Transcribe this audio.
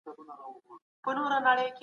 اسلام د اقتصادي پرمختګ غوښتونکی دی.